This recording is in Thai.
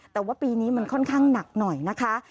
แต่ว่าปีนี้มันค่อนข้างหนักหน่อยนะคะ